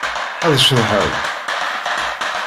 Ad ceḍḥen.